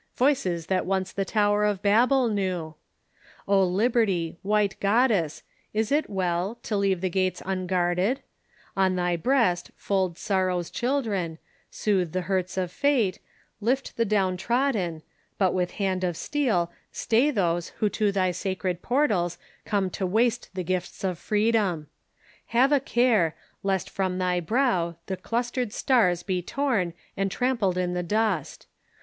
Voices that once the Tower of Babel knew ! O Liberty, white Goddess ! is it well To leave the gates unguarded ? On thy breast Fold Sorrow's children, soothe the hurts of fate, Lift the down trodden, but with hand of steel Stay those who to thy sacred portals come To waste the gifts of freedom. Have a care Lest from thy brow the clustered stars be torn And trampled in the dust.